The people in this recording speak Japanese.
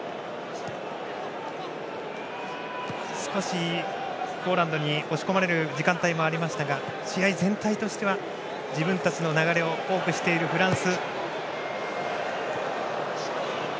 少しポーランドに押し込まれる時間帯もありましたが試合全体としては自分たちの流れを多くしているフランス。